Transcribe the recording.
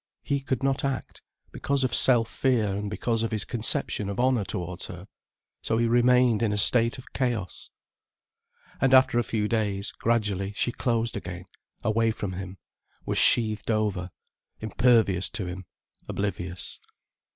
He could not act, because of self fear and because of his conception of honour towards her. So he remained in a state of chaos. And after a few days, gradually she closed again, away from him, was sheathed over, impervious to him, oblivious.